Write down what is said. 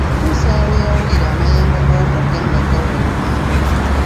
Okutuusa bwe yawulira amayengo g'omugga nga gawuuma.